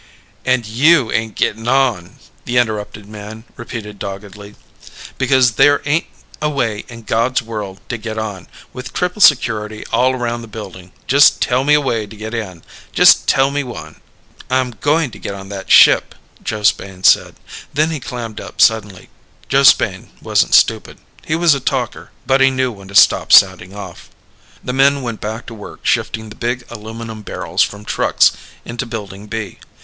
"And you ain't getting on," the interrupted man repeated doggedly, "because there ain't a way in God's world to get on. With triple security all around the building, just tell me a way to get in. Just tell me one." "I'm going to get on that ship," Joe Spain said. Then he clammed up suddenly. Joe Spain wasn't stupid. He was a talker, but he knew when to stop sounding off. The men went back to work shifting the big aluminum barrels from trucks into Building B.